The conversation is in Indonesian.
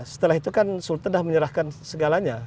setelah itu kan sultan sudah menyerahkan segalanya